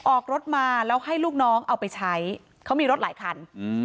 ออกรถมาแล้วให้ลูกน้องเอาไปใช้เขามีรถหลายคัน